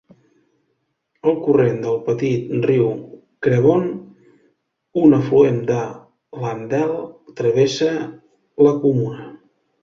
El corrent del petit riu Crevon, un afluent de l'Andelle, travessa la comuna.